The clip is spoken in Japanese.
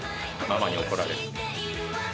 ママに怒られる。